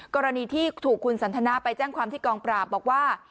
กรณีที่ถูกคุณสันทนาไปแจ้งความที่กองปราบบอกว่า